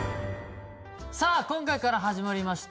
さあ今回から始まりました